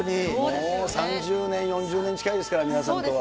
もう３０年、４０年近いですから、皆さんとは。